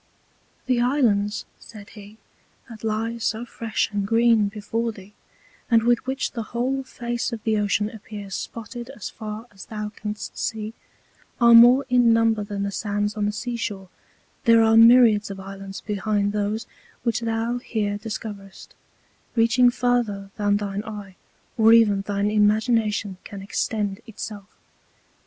The Islands, said he, that lie so fresh and green before thee, and with which the whole Face of the Ocean appears spotted as far as thou canst see, are more in number than the Sands on the Sea shore; there are Myriads of Islands behind those which thou here discoverest, reaching further than thine Eye, or even thine Imagination can extend it self.